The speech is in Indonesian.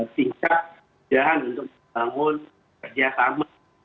tingkat kebijakan untuk membangun kerjasama